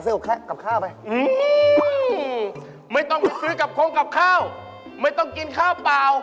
กอดกินปลาหนึ่งครับเราก็อิ่มได้แล้ว